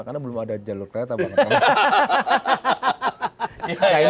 karena belum ada jalur kereta banget